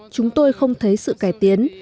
chúng tôi không thấy sự cải tiến